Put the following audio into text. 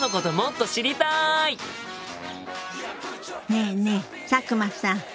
ねえねえ佐久間さん。